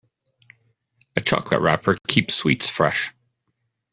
A chocolate wrapper keeps sweets fresh.